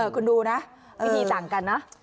คุณดูนะพี่ที่สั่งกันนะ